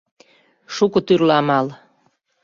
— Шуко тӱрлӧ амал.